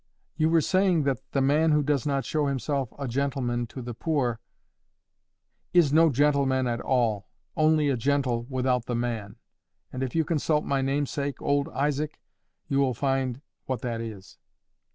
"You were saying that the man who does not show himself a gentleman to the poor—" "Is no gentleman at all—only a gentle without the man; and if you consult my namesake old Izaak, you will find what that is."